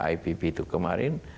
ipp itu kemarin